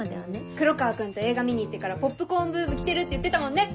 黒川君と映画見に行ってからポップコーンブーム来てるって言ってたもんね！